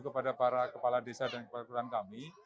kepada para kepala desa dan kepala kelurahan kami